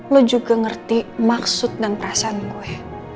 lu juga ngerti maksud dan perasaan gue